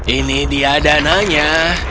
ini dia adanya